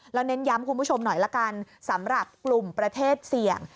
แล้วเน้นย้ำคุณผู้ชมหน่อยละกันสำหรับกลุ่มประเทศเสี่ยง